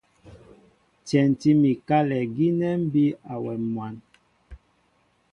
Tyɛntí mi kálɛ gínɛ́ mbí awɛm mwǎn.